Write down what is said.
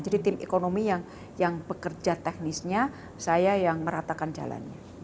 jadi tim ekonomi yang bekerja teknisnya saya yang meratakan jalannya